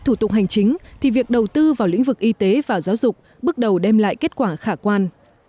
trong thời gian chính thì việc đầu tư vào lĩnh vực y tế và giáo dục bước đầu đem lại kết quả khả quan